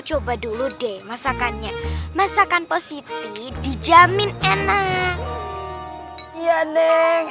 coba dulu deh masakannya masakan positif dijamin enak ya neng